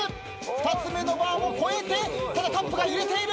２つ目のバーもこえてただカップが揺れている。